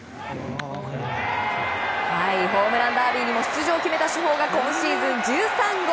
ホームランダービーにも出場を決めた主砲が今シーズン１３号。